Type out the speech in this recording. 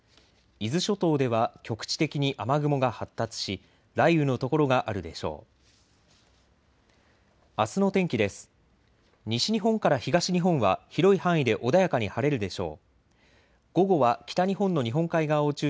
伊豆諸島では局地的に雨雲が発達し雷雨の所があるでしょう。